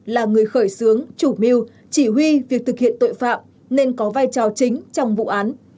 là người khởi xướng chủ miêu chỉ huy việc thực hiện tội phạm nên có vai trò chính trong vụ án